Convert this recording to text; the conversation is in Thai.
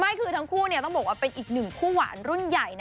ไม่คือทั้งคู่ต้องบอกว่าเป็นอีกหนึ่งคู่หวานรุ่นใหญ่นะ